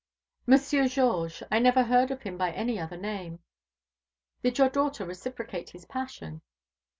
"Monsieur Georges. I never heard of him by any other name." "Did your daughter reciprocate his passion?"